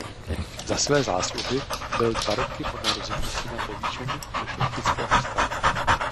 Za své zásluhy byl dva roky po narození syna povýšen do šlechtického stavu.